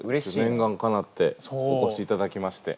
念願かなってお越しいただきまして。